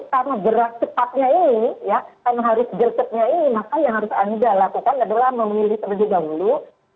karena gerak cepatnya ini karena harus gerak cepatnya ini maka yang harus anda lakukan adalah memilih terlebih dahulu